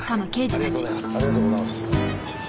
ありがとうございます。